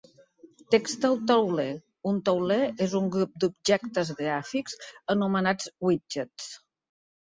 Text del tauler: un tauler és un grup d'objectes gràfics anomenats widgets.